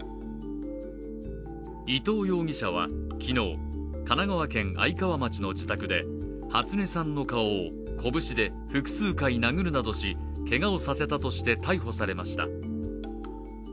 伊藤容疑者は昨日、神奈川県愛川町の自宅で初音さんの顔を拳で複数回殴るなどし、けがをさせたとして逮捕されました。